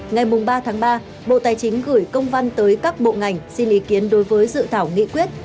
ngày ba tháng ba bộ tài chính gửi công văn tới các bộ ngành xin ý kiến đối với dự thảo nghị quyết